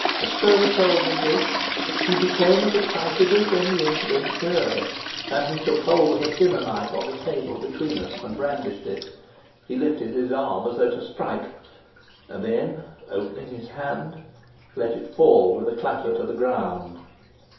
As Stroeve told me this he became as excited as when the incident occurred, and he took hold of a dinner knife on the table between us, and brandished it. He lifted his arm as though to strike, and then, opening his hand, let it fall with a clatter to the ground.